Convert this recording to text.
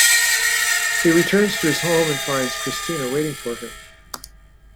He returns to his home and finds Kristyna waiting for him.